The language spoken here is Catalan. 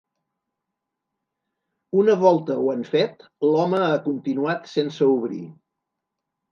Una volta ho han fet, l’home ha continuat sense obrir.